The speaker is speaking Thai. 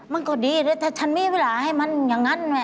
มันก็ดีเลยถ้าฉันมีเวลาให้มันอย่างนั้น